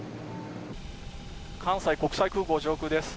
関西国際空港上空です。